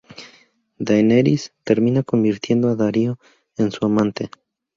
Daenerys termina convirtiendo a Daario en su amante.